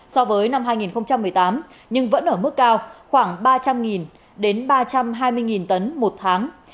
so với năm hai nghìn một mươi tám nhưng vẫn ở mức cao khoảng ba trăm linh đến ba trăm hai mươi tấn một tháng